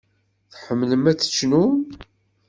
Tḥemmlem ad tecnum?